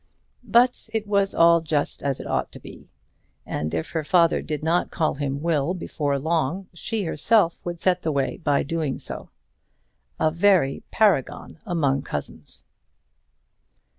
But it was all just as it ought to be; and if her father did not call him Will before long, she herself would set the way by doing so first. A very paragon among cousins!